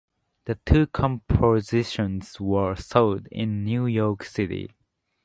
The two compositions were sold in New York City.